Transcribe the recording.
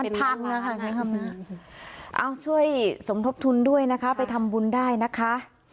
มันพักนะคะเอาช่วยสมทบทุนด้วยนะคะไปทำบุญได้นะคะ